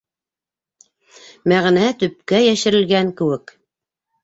Мәғәнәһе төпкә йәшерелгән кеүек.